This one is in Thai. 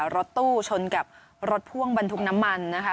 รถตู้ชนกับรถพ่วงบรรทุกน้ำมันนะคะ